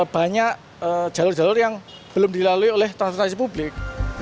banyak jalur jalur yang belum dilalui oleh transportasi publik